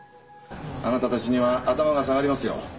あなたたちには頭が下がりますよ。